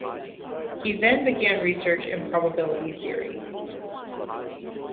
He then began research in probability theory.